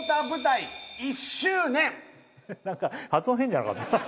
何か発音変じゃなかった？